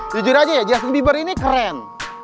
jujur aja ya justin bieber ini keren